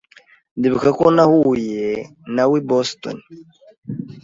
Ndibuka ko nawehuye nawe i Boston.